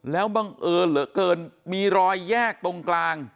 แล้วบังเอิญเหลือเกินมีรอยแยกตรงกลาง